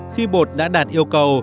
khi bột đã đạt yêu cầu